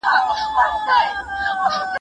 موږ به د دې عالمانو نومونه هير نه کړو.